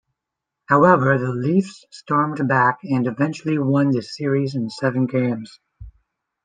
However the Leafs stormed back and eventually won the series in seven games.